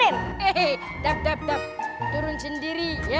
heheheh dap dap dap turun sendiri ya